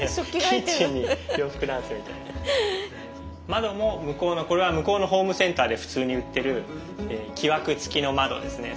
窓も向こうのこれは向こうのホームセンターで普通に売ってる木枠つきの窓ですね。